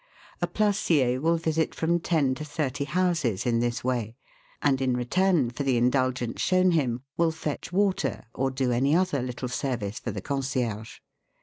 A placier will visit from ten to thirty houses in this way ; and in return for the indulgence shown him will fetch water, or do any other little service for the concierge.